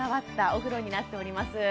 お風呂になっております